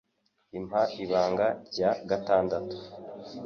Impa Ibanga rya gatandatu